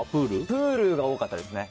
プールが多かったですね。